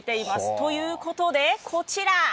ということで、こちら。